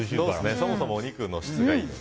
そもそもお肉の質がいいので。